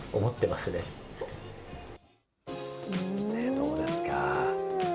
どうですか。